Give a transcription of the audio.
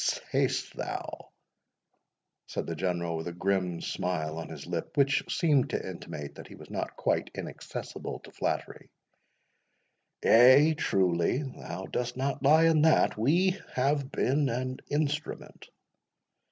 "Say'st thou?" said the General, with a grim smile on his lip, which seemed to intimate that he was not quite inaccessible to flattery; "yea, truly, thou dost not lie in that—we have been an instrument.